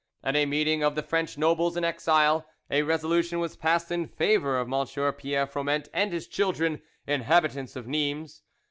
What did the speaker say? At a meeting of the French nobles in exile, a resolution was passed in favour of M. Pierre Froment and his children, inhabitants of Nimes.